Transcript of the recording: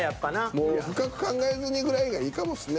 もう深く考えずにぐらいがいいかもですね。